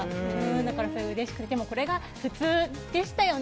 だからすごいうれしくて、でもそれが普通でしたよね。